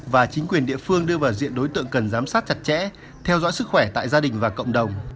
và chính quyền địa phương đưa vào diện đối tượng cần giám sát chặt chẽ theo dõi sức khỏe tại gia đình và cộng đồng